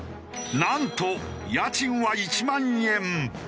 なんと家賃は１万円！